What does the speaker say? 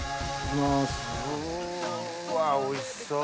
うわおいしそう！